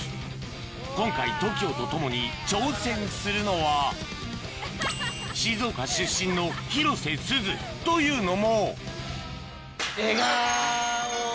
今回ＴＯＫＩＯと共に挑戦するのは静岡出身の広瀬すずというのも映画を。